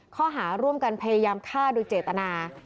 ข้อหาร่วมกันพยายามฆ่าโดยเจตนา